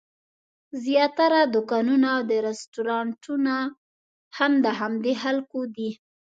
زیاتره دوکانونه او رسټورانټونه هم د همدې خلکو دي.